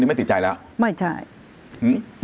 คุณแม่ก็ไม่อยากคิดไปเองหรอก